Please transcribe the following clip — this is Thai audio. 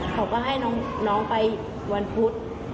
เขาก็ให้น้องไปวันพุธ